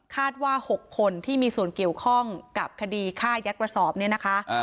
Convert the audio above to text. ว่า๖คนที่มีส่วนเกี่ยวข้องกับคดีฆ่ายัดกระสอบเนี่ยนะคะ